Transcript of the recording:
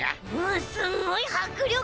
んすごいはくりょく！